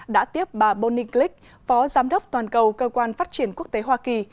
đã tiếp bà bonnie glick phó giám đốc toàn cầu cơ quan phát triển quốc tế hoa kỳ